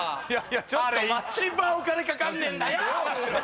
あれ一番お金かかんねえんだよ！